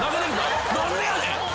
何でやねん！